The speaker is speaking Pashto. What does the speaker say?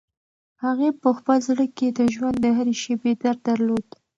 هغې په خپل زړه کې د ژوند د هرې شېبې درد درلود.